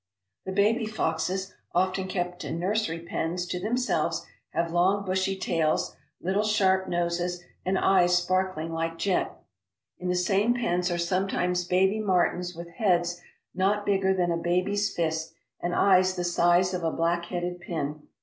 The baby foxes, often kept in "nursery" pens to them selves, have long bushy tails, little sharp noses, and eyes sparkling like jet. In the same pens are sometimes baby martens with heads not bigger than a baby's fist and eyes the size of a black headed pin.